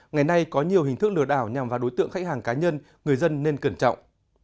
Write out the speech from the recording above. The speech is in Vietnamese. ngày nay có nhiều hình thức lừa đảo nhằm vào đối tượng khách hàng cá nhân người dân nên cẩn trọng